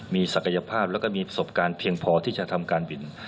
มีศักยภาพแล้วก็มีประสบการณ์เพียงพอที่จะทำการบิน